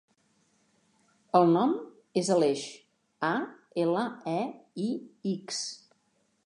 El nom és Aleix: a, ela, e, i, ics.